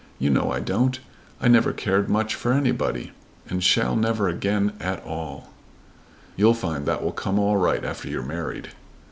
You know I don't. I never cared much for anybody, and shall never again care at all." "You'll find that will come all right after you are married."